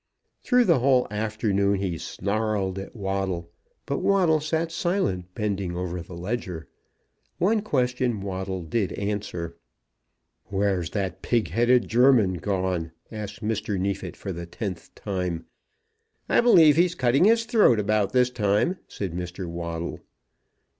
Through the whole afternoon he snarled at Waddle; but Waddle sat silent, bending over the ledger. One question Waddle did answer. "Where's that pig headed German gone?" asked Mr. Neefit for the tenth time. "I believe he's cutting his throat about this time," said Mr. Waddle.